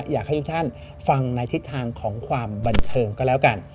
อยากให้ทุกท่านฟังในทิศทางของความบันเทิงก็แล้วกัน